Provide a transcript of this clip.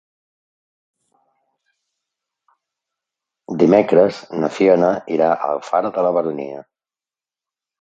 Dimecres na Fiona irà a Alfara de la Baronia.